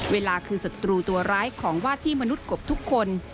เวลาคือศัตรูตัวร้ายของวาดที่มนุษย์กบทุกคน